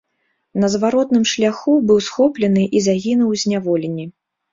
На зваротным шляху быў схоплены і загінуў у зняволенні.